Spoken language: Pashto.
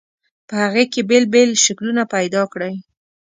په هغې کې بېل بېل شکلونه پیدا کړئ.